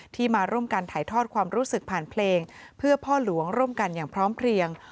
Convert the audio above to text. มาร่วมกันถ่ายทอดความรู้สึกผ่านเพลงเพื่อพ่อหลวงร่วมกันอย่างพร้อมเพลียง